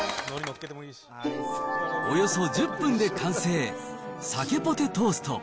およそ１０分で完成、鮭ポテトースト。